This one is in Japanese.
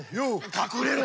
隠れろよ！